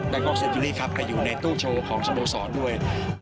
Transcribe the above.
นักล็อกเซฟจุลีครับไปอยู่ในตู้โชว์ของสโมสรด้วย